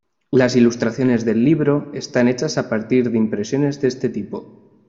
Las ilustraciones del libro están hechas a partir de impresiones de este tipo.